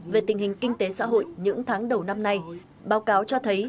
về tình hình kinh tế xã hội những tháng đầu năm nay báo cáo cho thấy